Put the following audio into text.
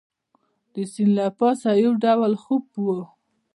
د سیند له پاسه یو ډول خوپ وو.